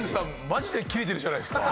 マジでキレてるじゃないですか。